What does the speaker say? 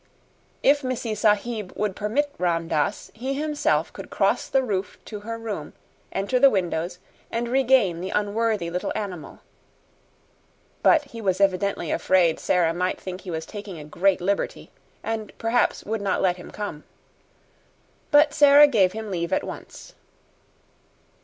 If Missee Sahib would permit Ram Dass, he himself could cross the roof to her room, enter the windows, and regain the unworthy little animal. But he was evidently afraid Sara might think he was taking a great liberty and perhaps would not let him come. But Sara gave him leave at once.